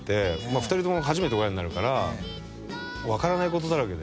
２人とも初めて親になるから分からないことだらけで。